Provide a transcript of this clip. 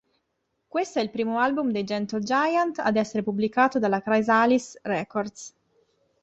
Questo è il primo album dei Gentle Giant ad essere pubblicato dalla Chrysalis Records.